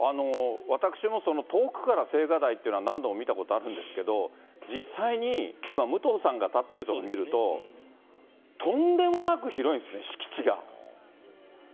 私も遠くから青瓦台というのは何度も見たことがあるんですけど、実際に今、武藤さんが立ってる所見ると、とんでもなく広いんですね、敷地が。